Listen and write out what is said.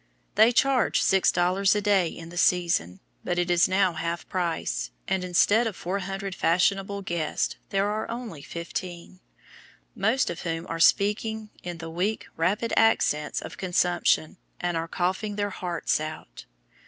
They charge six dollars a day in the season, but it is now half price; and instead of four hundred fashionable guests there are only fifteen, most of whom are speaking in the weak, rapid accents of consumption, and are coughing their hearts out.